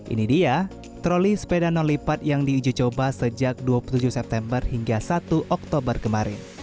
ini dia troli sepeda non lipat yang diuji coba sejak dua puluh tujuh september hingga satu oktober kemarin